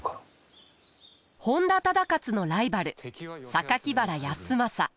本多忠勝のライバル原康政。